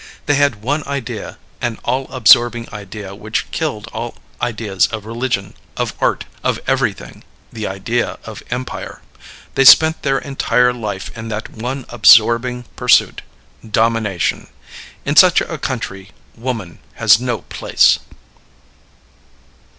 They had one idea, an all absorbing idea which killed all ideas of religion, of art, of everything the idea of empire. They spent their entire life in that one absorbing pursuit domination; in such a country woman has no place.